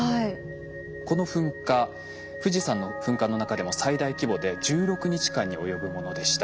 この噴火富士山の噴火の中でも最大規模で１６日間に及ぶものでした。